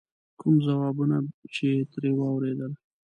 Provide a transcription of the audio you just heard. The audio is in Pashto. کوم ځوابونه چې یې ترې واورېدل.